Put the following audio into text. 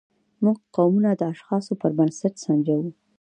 موږ قومونه د اشخاصو پر بنسټ سنجوو.